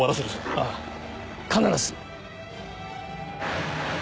ああ必ず。